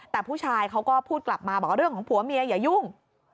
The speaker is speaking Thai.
แต่ผู้ชายเขาก็พูดกลับมาบอกว่าเรื่องของผัวเมียอย่ายุ่ง